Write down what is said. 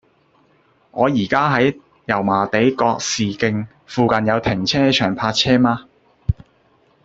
我依家喺油麻地覺士徑，附近有停車場泊車嗎